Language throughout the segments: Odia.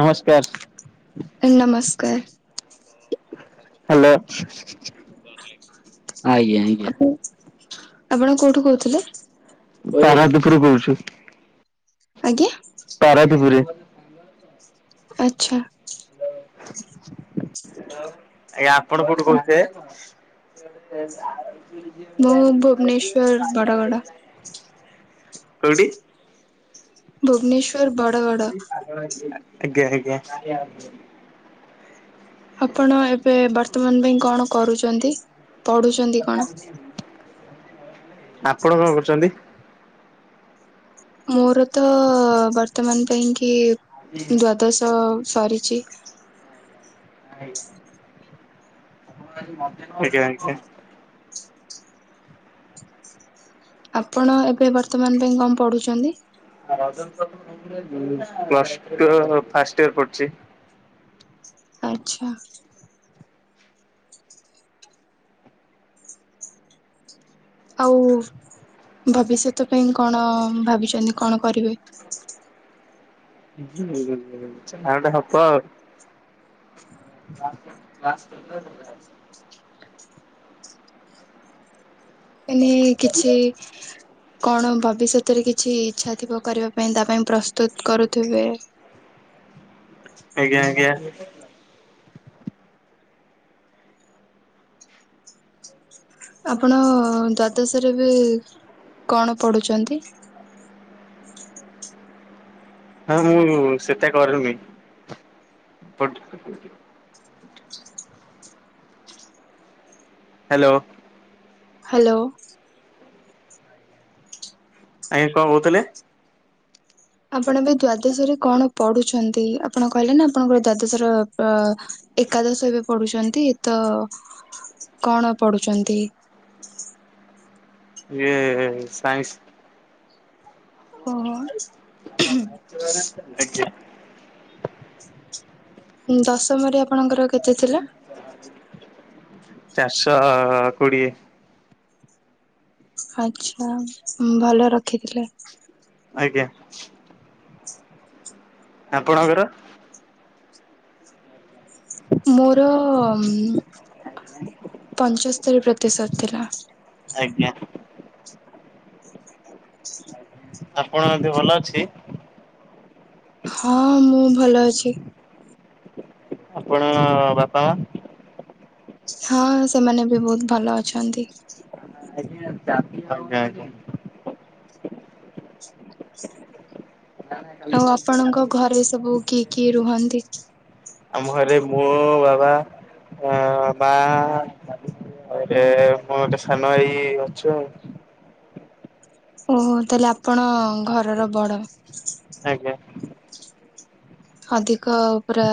ନମସ୍କାର। ନମସ୍କାର। ହ୍ୟାଲୋ ଆଜ୍ଞା ଆଜ୍ଞା। ଆପଣ ଆପଣ କୋଉଠୁ କହୁଥିଲେ। ପାରାଦ୍ଵୀପ ରୁ କୋହୁଛି। ଆଜ୍ଞା। ପାରାଦ୍ଵୀପରେ। ଆଚ୍ଛା। ଆଜ୍ଞା ଆପଣ କୋଉଠୁ କହୁଥିଲେ। ମୁଁ ଭୁବନେଶ୍ଵର ବଡଗଡ [unintelligible] [unintelligible] କୋଉଠି ଭୁବନେଶ୍ୱର ବଡ଼ଗଡ଼। [unintelligible] ଆଜ୍ଞା ଆଜ୍ଞା। ଆପଣ ଏବେ ବର୍ତ୍ତମାନ ପାଇଁ କଣ କରୁଚନ୍ତି ପଢୁଛନ୍ତି କଣ ଆପଣ କଁ କରୁଚନ୍ତି। ମୋରୋ ତ ବର୍ତ୍ତମାନ ପାଇଁ କି ଦ୍ଵାଦଶ ସରିଚି। [unintelligible] ଆଜ୍ଞା ଆଜ୍ଞା। ଆପଣ ଏବେ ବର୍ତ୍ତମାନ ପାଇଁ କଁ ପଢ଼ୁଚନ୍ତି। [unintelligible] ମୁଁ ପ୍ଲସ ଟୁ ଫାର୍ଷ୍ଟ ଇୟର ପଢ଼ୁଚି। ଆଚ୍ଛା। ଆଉ ଭବିଷ୍ୟତ ପାଇଁ କଣ ଭାବିଚନ୍ତି କଣ କରିବେ। [unintelligible] ଯାହା ଗୋଟେ ହବ ଆଉ। [unintelligible] ହେନେ କିଛି କଣ ଭବିଷ୍ୟ ତରେ କିଛି ଇଚ୍ଛା ଥିବ କରିବା ପାଇଁ ତା ପାଇଁ ପ୍ରସ୍ତୁତ କରୁଥୁବେ। ଆଜ୍ଞା ଆଜ୍ଞା। ଆପଣ ଦ୍ଵାଦଶରେ ଏବେ କଣ ପଢୁଚନ୍ତି। ହାଁ ମୁଁ ସେଟା କରୁନି ବଟ୍ ହାଲୋ। ହାଲୋ। ଆଜ୍ଞା କଁ କୋହୁଥୁଲେ। ଆପଣ ଏବେ ଦ୍ଵାଦଶ ରେ କଣ ପଢୁଛନ୍ତି ଆପଣ କହିଲେ ନା ଆପଣଙ୍କର ଦ୍ଵାଦଶର ପ ଏକାଦଶ ଏବେ ପଢୁଛନ୍ତି ତ କଣ ପଢୁଚନ୍ତି? ଇଏ ସାଇଶ୍ ଓହୋ [unintelligible] ଆଜ୍ଞା। ଦଶମରେ ଆପଣଙ୍କର କେତେ ଥିଲା? ଚାରିଶ କୋଡିଏ। ଆଚ୍ଛା ଭଲ ରଖିଥିଲେ। ଆଜ୍ଞା। ଆପଣଙ୍କର। ମୋରୋ ଉଁ ପଞ୍ଚସ୍ତୋରୀ ପ୍ରତିଶତ ଥିଲା। ଆଜ୍ଞା। ଆପଣଙ୍କ ଦେହ ଭଲ ଅଛି। ହଁ ମୁଁ ଭଲ ଅଛି। ଆପଣ ବାପା ମା ହଁ ସେମାନେ ବି ବୋହୁତ ଭଲ ଅଛନ୍ତି। [unintelligible] ଆଜ୍ଞା ଆଜ୍ଞା। ଆଉ ଆପଣଙ୍କ ଘରେ ସବୁ କିଏ କିଏ ରୁହନ୍ତି। ଆମ ଘରେ ମୋ ବାବା ଏଁ ମା ଆଉ ଗୋଟେ ମୋ ଗୋଟେ ସାନ ଭାଇ ଅଛୁ ଆଉ। ଓହୋ ତାହେଲେ ଆପଣ ଘରର ବଡ। ଆଜ୍ଞା। ଅଧିକ ପୁରା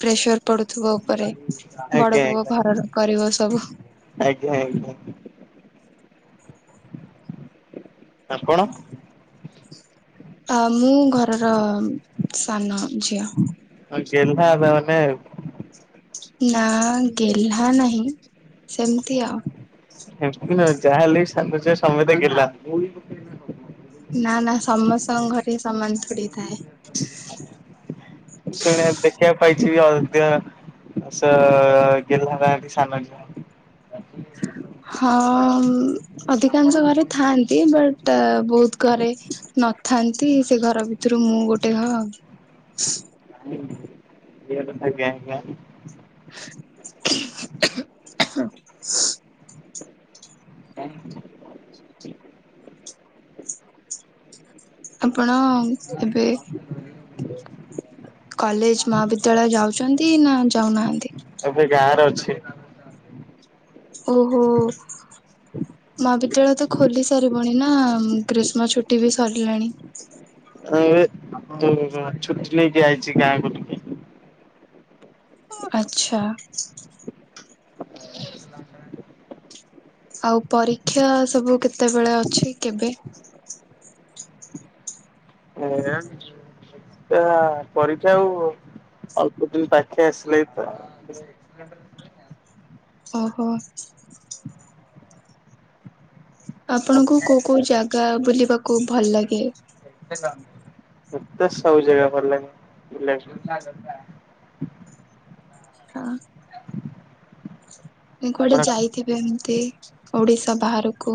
ପ୍ରେସର ପଡୁଥୁବ ଓପୋରେ। ଆଜ୍ଞା ବଡ ଆଜ୍ଞା ପୁଅ ଘରର କରିବ ସବୁ। ଆଜ୍ଞା ଆଜ୍ଞା। ଆପଣ? ଆ ମୁଁ ଘରର ସାନ ଝିଅ। ହଁ ଗେହ୍ଲା ଏବେ ମାନେ ଆଉ। ନାଁ ଗେହ୍ଲା ନାହିଁ ସେମତି ଆଉ। ଏମତି ନୁହଁ ଯାହା ହେଲେ ବି ସାନ ଛୁଆ ସମତେ ଗେହ୍ଲା। ନାଁ ନାଁ ସମସ୍ତଙ୍କ ଘରେ ସମାନ ଥୋଡି [unintelligible] [inaudible] ଶୁଣିବା ଦେଖିବା କୁ ପାଇଚି ବି ଅଧିକା [unintelligible] ଗେହ୍ଲା ରୁହନ୍ତି ସାନ ଝିଅ। ହଁ ଅଧିକାଂଶ ଘରେ ଥାଆନ୍ତି। ବଟ ତ ବହୁତ ଘରେ ନଥାନ୍ତି। ସେ ଘର ଭିତରୁ ମୁଁ ଗୋଟେ ଘ [inaudible] [unintelligible] [inaudible] [inaudible] ଆପଣ ଏବେ କଲେଜ ମହାବିଦ୍ୟାଳୟ ଯାଉଛନ୍ତି ନା ଯାଉନାହାନ୍ତି? ଏବେ ଗାଁରେ ଅଛି। ଓହୋ। [inaudible] ମହାବିଦ୍ୟାଳୟ ତ ଖୋଲିସାରିବଣି ନା ଗ୍ରୀଷ୍ମ ଛୁଟି ବି ସରିଲାଣି। ତ ଏବେ ତ ଛୁଟି ନେଇକି ଆଇଚି ଗାଁ କୁ ଟିକେ। ଆଚ୍ଛା। [unintelligible] ଆଉ ପରୀକ୍ଷା ସବୁ କେତେବେଳେ ଅଛି କେବେ? [unintelligible] ଆ ପରୀକ୍ଷା ଆଉ ଅଳ୍ପ ଦିନ ପାଖେଇ ଆସିଲାଣି ପା। [unintelligible] ଓହୋ। ଆ ଆପଣଙ୍କୁ କୋଉ କୋଉ ଜାଗା ବୁଲିବାକୁ ଭଲ ଲାଗେ? ମତେ ସବୁ ଜାଗା ଭଲ ଲାଗେ ବୁଲିବାକୁ। ହଁ। କୁଆଡେ ହଁ ଯାଇଥିବେ ଏମତି। ଓଡ଼ିଶା ବାହାରକୁ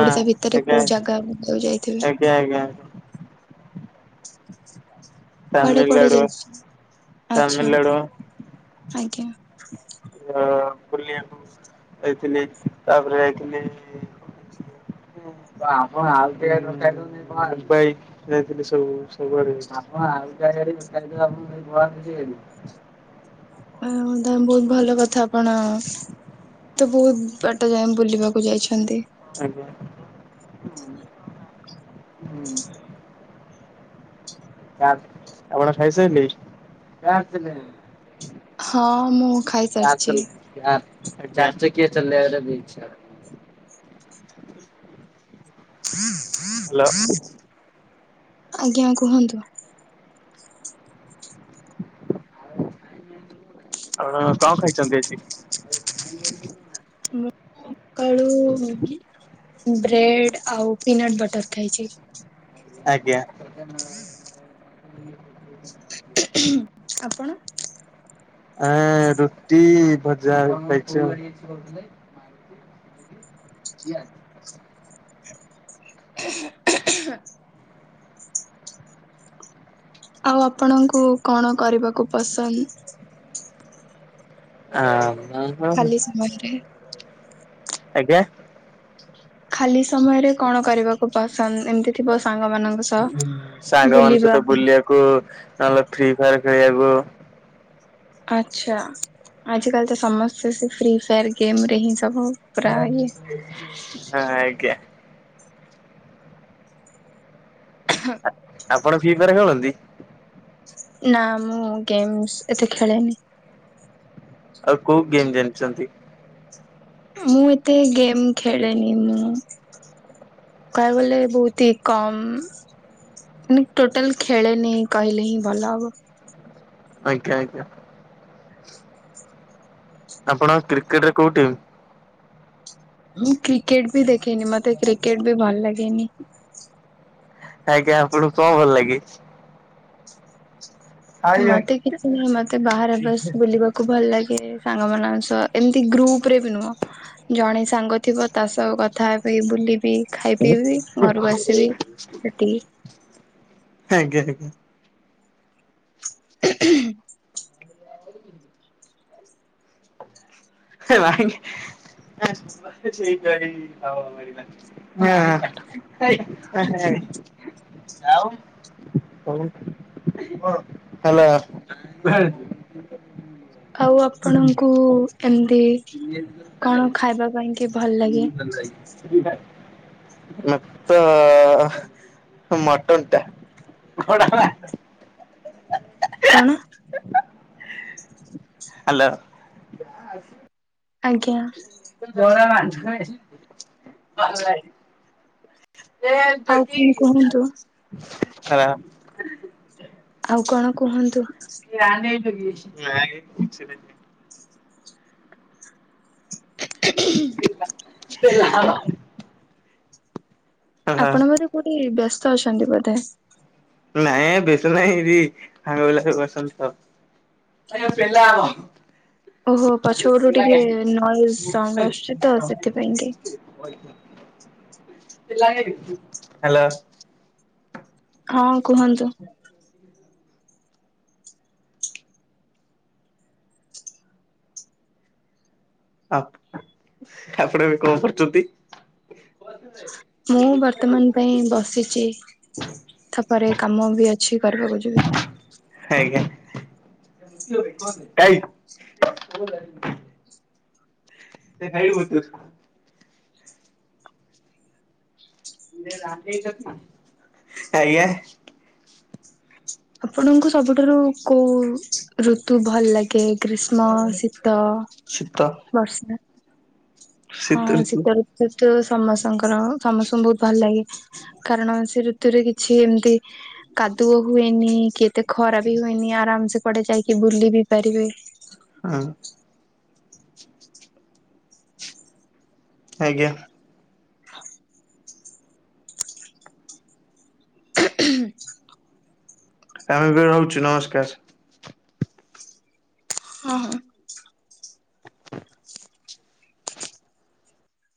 ଓଡ଼ିଶା ଭିତରେ ଆଜ୍ଞା କେଉଁ ଜାଗା କୁ ଯାଇଥିବେ। ଆଜ୍ଞା ଆଜ୍ଞା। କୁଆଡେ କୁଆଡେ ତାମିଲନାଡୁ ଯାଇଚ? ଆଛା। ତାମିଲନାଡୁ ଆଜ୍ଞା। ଅ ବୁଲିବାକୁ ଯାଇଥିଲି। ତାପରେ ଯାଇଥିଲି। [unintelligible] ଯାଇଥିଲି ସବୁ। ସବୁଆଡ଼େ ଯାଇଥିଲି। [unintelligible] ବହୁତ ଭଲ କଥା ଆପଣ ତ ବହୁତ ବାଟ ଯାଏ ବୁଲିବାକୁ ଯାଇଛନ୍ତି। ଆଜ୍ଞା। ଆପଣ ଖାଇସାରିଲେଣି? ହଁ ମୁଁ ଖାଇସାରିଚି। ଚାରି ଚକିଆ ଚଲେଇବାକୁ ଇଚ୍ଛା। ହ୍ୟାଲୋ ଆଜ୍ଞା କୁହନ୍ତୁ। ଆଣ କଣ ଖାଇଛନ୍ତି ଆଜି? ସକାଳୁ ହ [inaudible] ବ୍ରେଡ ଆଉ ପିନଟ୍ ବଟର ଖାଇଛି। ଆଜ୍ଞା [inaudible] ହୁଁ ଆପଣ ଆ ରୁଟି ଭଜା ଖାଇଛ ୟା [inaudible] ଆଉ ଆପଣଙ୍କୁ କଣ କରିବାକୁ ପସନ୍ଦ? ହଁ [inaudible] ଖାଲି ସମୟରେ [inaudible] ଆଜ୍ଞା ଖାଲି ସମୟରେ କଣ କରିବାକୁ ପସନ୍ଦ ଏମ ସାଙ୍ଗମାନଙ୍କ ବୁଲିବା ସହିତ ବୁଲିଆ କୁ ନହେଲେ ଫ୍ରି ଫାୟାର ଖେଳିଆକୁ ଆଚ୍ଛା ଆଜିକାଲି ତ ସମସ୍ତେ ସେ ଫ୍ରିଫାୟାର ଗେମ୍ ରେ ହିଁ ସବୁ ପୁରା ହଁ ଇଏ। ଆଜ୍ଞା। ଆପଣ ଫ୍ରିଫାୟାର ଖେଳନ୍ତି? ନା ମୁଁ ଗେମସ୍ ଏତେ ଖେଳେନି। ଆଉ କୋଉ ଗେମ୍ ଜାଣିଛନ୍ତି? ମୁଁ ଏତେ ଗେମ୍ ଖେଳେନି ମୁଁ କହିଆକୁ ଗଲେ ବହୁତ ହି କମ୍ ମାନେ ଟୋଟାଲ ଖେଳେନି କହିଲେ ହିଁ ଭଲ ହବ। ଆଜ୍ଞା ଆଜ୍ଞା ଆପଣ କ୍ରିକେଟରେ କୋଉ ଟିମ୍? ମୁଁ କ୍ରିକେଟ ବି ଦେଖେନି ମତେ କ୍ରିକେଟ ବି ଭଲ ଲାଗେନି। ଆଜ୍ଞା ଆପଣଙ୍କୁ କଣ ଭଲ ଲାଗେ? ଆଜ୍ଞା ମତେ କିଛି ନୁହଁ ମତେ ବାହାରେ ବାସ୍ ବୁଲିବା କୁଭଲ ଲାଗେ ସାଙ୍ଗମାନଙ୍କ ସହ ଏମତି ଗ୍ରୁପରେ ବି ନୁହଁ। ଜଣେ ସାଙ୍ଗ ଥିବ ତା ସହ କଥା ହେବି ବୁଲିବି ଖାଇ ପିଇବି ଘରକୁ ଆସିବି ସେତିକି ଆଜ୍ଞା ଆଜ୍ଞା ହେ ଭାଇ [inaudible] ହଁ ହଁ ଆଉ ହାଲୋ [inaudible] ଆଉ ଆପଣଙ୍କୁ ଏମତି କଣ ଖାଇବା ପାଇଁ କି ଭଲ ଲାଗେ? ମ ତ ମଟନ ଟା କଣ? ହାଲୋ ଆଜ୍ଞା ଜଣା [inaudible] ଆଉ କଣ କୁହନ୍ତୁ [inaudible] ଆଉ କଣ କୁହନ୍ତୁ? [inaudible] [inaudible] ହଁ ଆପଣ ବୋଧେ କୋଉଠି ବ୍ୟସ୍ତ ଅଛନ୍ତି ବୋଧେ? ନାଇଁ ବେଶ ନାହିଁ ଏଇଠି ସାଙ୍ଗପିଲା ସବୁ ବସିସନ୍ତି ତ ଆଜ୍ଞା ପେଲା ହବ। ଓ ହୋ ପଛପଟରୁ ଟିକିଏ ନଏଜ୍ ସାଉଣ୍ଡ ଆସୁଛି ତ ସେଥିପାଇଁ କି। ହାଲୋ। ହଁ କୁହନ୍ତୁ। ଆ ଆପଣ ଏବେ କଣ କରୁଛନ୍ତି? [inaudible] ମୁଁ ବର୍ତ୍ତମାନ ପାଇଁ ବସିଚି ତାପରେ କାମ ବି ଅଛି କରିବାକୁ ଯିବି। ଆଜ୍ଞା କାଇଁ। [unintelligible] ଆଜ୍ଞା। ଆପଣଙ୍କୁ ସବୁଠାରୁ କୋଉ ଋତୁ ଭଲ ଲାଗେ? କେ ଗ୍ରୀଷ୍ମ, ଶୀତ, ଶୀତ ବର୍ଷା। ହଁ ଶୀତ ଋତୁ ତୁ ସମସ୍ତଙ୍କର ସମସ୍ତଙ୍କୁ ବହୁତ ଭଲ ଲାଗେ। କାରଣ ସେ ଋତୁରେ କିଛି ଏମିତି କାଦୁଅ ହୁଏନି କିତ ଖରା ବି ହୁଏନି ଆରାମ ସେ କୁଆଡେ ଯାଇକି ବୁଲି ବି ପାରିବେ। ହଁ। ଆଜ୍ଞା। [inaudible] [unintelligible] ଆମେ ବି ରହୁଛୁ ନମସ୍କାର। ହଁ ହଁ।